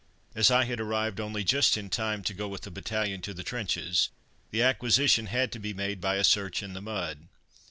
As I had arrived only just in time to go with the battalion to the trenches, the acquisition had to be made by a search in the mud.